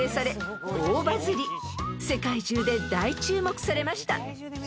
［世界中で大注目されました］